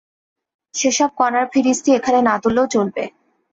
সেসব কণার ফিরিস্তি এখানে না তুললেও চলবে।